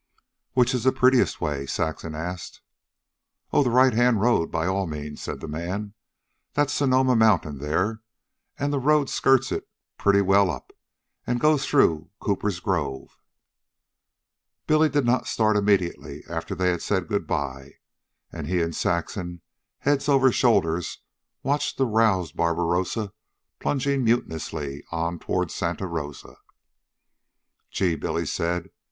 "Which is the prettiest way?" Saxon asked. "Oh, the right hand road, by all means," said the man. "That's Sonoma Mountain there, and the road skirts it pretty well up, and goes through Cooper's Grove." Billy did not start immediately after they had said good by, and he and Saxon, heads over shoulders, watched the roused Barbarossa plunging mutinously on toward Santa Rosa. "Gee!" Billy said.